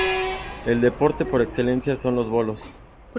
El deporte por excelencia son los bolos.